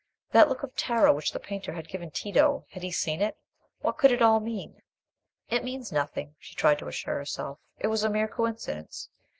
That look of terror which the painter had given Tito, had he seen it? What could it all mean? "It means nothing," she tried to assure herself. "It was a mere coincidence.